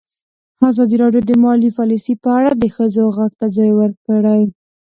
ازادي راډیو د مالي پالیسي په اړه د ښځو غږ ته ځای ورکړی.